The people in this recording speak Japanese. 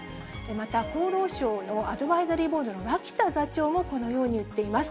また、厚労省のアドバイザリーボードの脇田座長もこのように言っています。